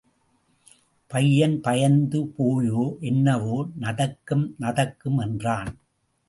பையன் பயந்துபோயோ என்னவோ, நதக்கும்... நதக்கும்... என்றான்.